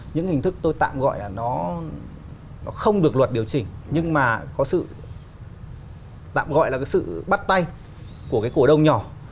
những hình thức tôi tạm gọi là nó không được luật điều chỉnh nhưng mà có sự tạm gọi là cái sự bắt tay của cái cổ đông nhỏ